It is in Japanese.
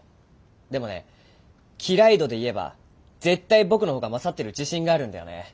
でもね嫌い度で言えば絶対僕の方が勝ってる自信があるんだよね。